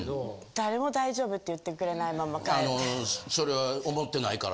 誰も大丈夫って言ってくれないまま帰る。